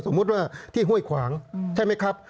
สมมุติว่าที่ห้วยขวางใช่ไหมครับ